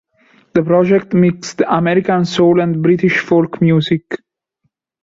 The project mixed American soul and British Folk music.